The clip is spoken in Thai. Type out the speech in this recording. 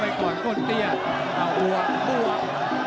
ตามต่อยกที่สองครับ